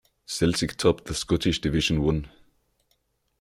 Celtic topped the Scottish Division One.